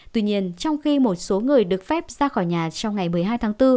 tuy nhiên trong khi một số người được phép ra khỏi nhà trong ngày một mươi hai tháng bốn